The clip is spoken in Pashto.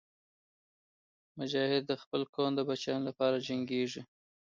مجاهد د خپل قوم د بچیانو لپاره جنګېږي.